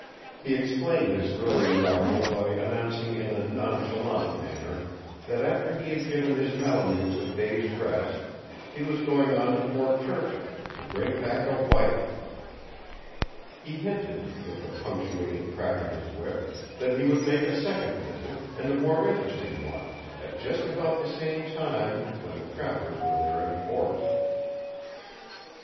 He explained his early arrival by announcing in a nonchalant manner that after he had given his Malemutes a day's rest he was going on to Fort Churchill, to bring back a wife. He hinted, with a punctuating crack of his whip, that he would make a second visit, and a more interesting one, at just about the time when the trappers were there in force.